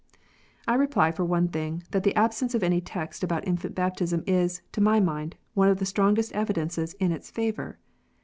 I reply, for one thing, that the absence of any text about infant baptism is, to my mind, one of the strongest evidences in its favour.